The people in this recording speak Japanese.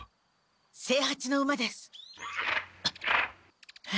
清八の馬です。